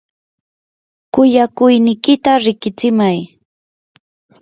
kuyakuynikita riqitsimay.